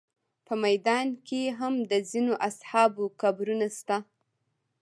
په میدان کې هم د ځینو اصحابو قبرونه شته.